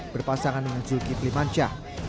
berpasangan dengan zulkifli manca